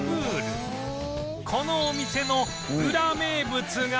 このお店のウラ名物が